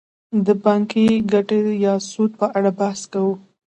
د بانکي ګټې یا سود په اړه بحث کوو